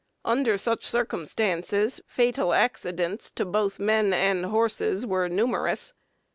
Under such circumstances fatal accidents to both men and horses were numerous.